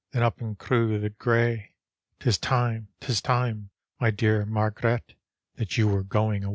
Then up and crew the gray; " "Tis time, 'tis time, my dear Marg'ret, lliat you were going away.